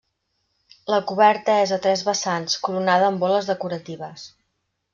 La coberta és a tres vessants, coronada amb boles decoratives.